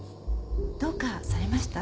どうかされました？